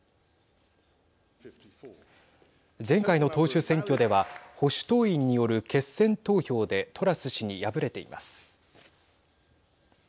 前回の党首選挙では保守党員による決選投票でトラス氏に敗れています。